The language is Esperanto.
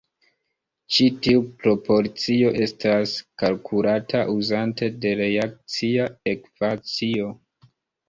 Ĉi tiu proporcio estas kalkulata uzante de reakcia ekvacio.